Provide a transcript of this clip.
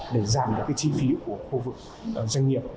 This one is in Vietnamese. để giảm các chi phí của khu vực doanh nghiệp